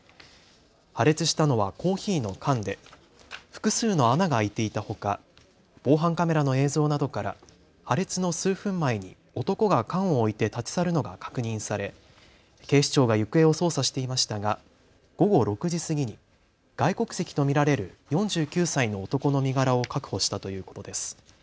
破裂したのはコーヒーの缶で複数の穴が開いていたほか防犯カメラの映像などから破裂の数分前に男が缶を置いて立ち去るのが確認され警視庁が行方を捜査していましたが、午後６時過ぎに外国籍と見られる４９歳の男の身柄を確保したということです。